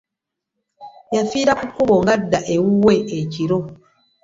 Yafiira ku kkubo ng'adda wuwe ekiro.